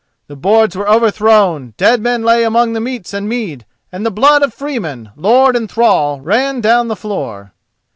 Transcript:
The boards were overthrown, dead men lay among the meats and mead, and the blood of freeman, lord and thrall ran adown the floor.